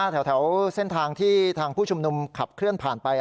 แถวเส้นทางที่ทางผู้ชุมนุมขับเคลื่อนผ่านไป